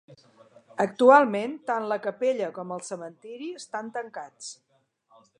Actualment tant la capella com el cementiri estan tancats.